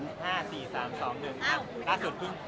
โรงเรียน๕๔๓๒๑อ้าวอ้าวสุดพึ่ง